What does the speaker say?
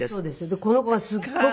でこの子がすっごく。